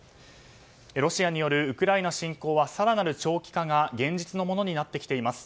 ロシアによるウクライナ侵攻は更なる長期化が現実のものになってきています。